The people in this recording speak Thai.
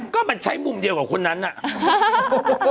ก็มันใช้มุมเดียวกับคนนั้นน่ะ